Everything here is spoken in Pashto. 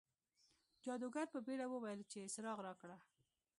جادوګر په بیړه وویل چې څراغ راکړه.